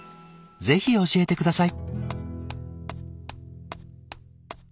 ぜひ教えて下さい。